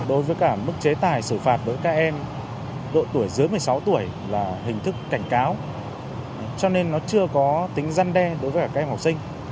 đối với cả mức chế tài xử phạt đối với các em độ tuổi dưới một mươi sáu tuổi là hình thức cảnh cáo cho nên nó chưa có tính răn đe đối với các em học sinh